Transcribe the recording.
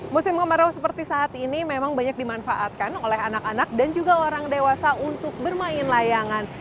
musim kemarau seperti saat ini memang banyak dimanfaatkan oleh anak anak dan juga orang dewasa untuk bermain layangan